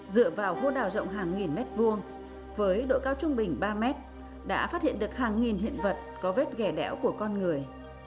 dựa vào hô đào rộng hàng nghìn mét vuông với độ cao trung bình ba mét đã phát hiện được hàng nghìn hiện vật có vết gẻ đẻo của con người